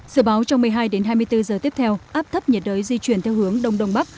dự báo trong một mươi hai đến hai mươi bốn giờ tiếp theo áp thấp nhiệt đới di chuyển theo hướng đông đông bắc